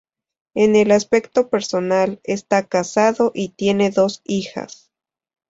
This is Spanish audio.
En el aspecto personal, está casado y tiene dos hijas.